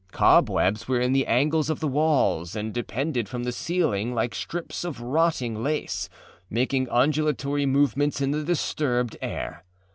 Cobwebs were in the angles of the walls and depended from the ceiling like strips of rotting lace, making undulatory movements in the disturbed air.